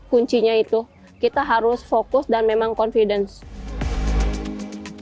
kuncinya itu kita harus fokus dan memang confidence